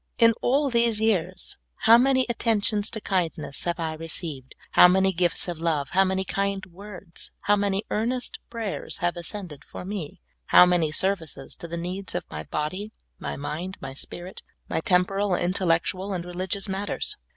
In all these years, how man) attentions of kindness have I received, how many gifts of love, how many kind words, how many earnest prayers have ascended for me, how many services to the needs of my body, my mind, my spirit, my temporal and intellectual and religious OUR NEED OF HUMILITY. 1 27 matters